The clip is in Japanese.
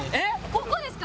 ここですか？